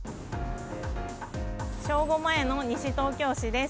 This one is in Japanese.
正午前の西東京市です。